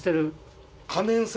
可燃性？